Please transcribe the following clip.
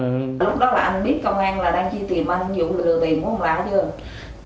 lúc đó là anh biết công an là đang chi tìm anh dụ lừa tìm không lạ chưa